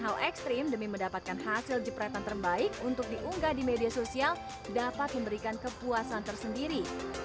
dan hal ekstrim demi mendapatkan hasil jepretan terbaik untuk diunggah di media sosial dapat memberikan kepuasan tersendiri